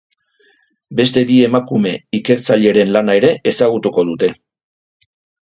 Beste bi emakume ikertzaileren lana ere ezagutuko dute.